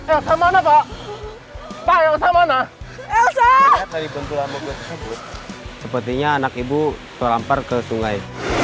elsa mana pak pak elsa mana elsa sepertinya anak ibu terlampar ke sungai